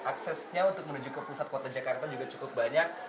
aksesnya untuk menuju ke pusat kota jakarta juga cukup banyak